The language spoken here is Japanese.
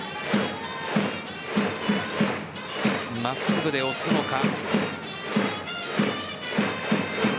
真っすぐで押すのか。